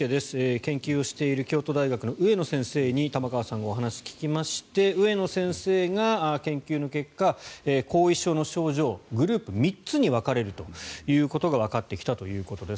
研究をしている京都大学の上野先生に玉川さんがお話を聞きまして上野先生が研究の結果後遺症の症状、グループ３つに分かれるということがわかってきたということです。